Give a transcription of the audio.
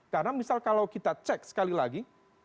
karena misal kalau kita cek sekali lagi